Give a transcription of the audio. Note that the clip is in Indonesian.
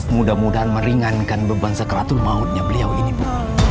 mudah mudahan meringankan beban sekeratur mautnya beliau ini bu